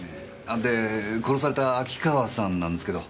で殺された秋川さんなんですけど。